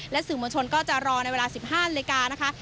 และสิ่งมวลชนก็จะรอในเวลา๑๕นาทีนะคะ